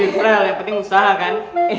ya rifa yang penting usaha kan